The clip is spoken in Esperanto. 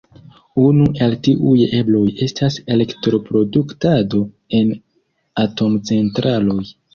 Unu el tiuj ebloj estas elektroproduktado en atomcentraloj.